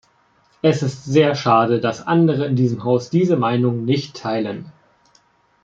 Es ist sehr schade, dass andere in diesem Haus diese Meinung nicht teilen.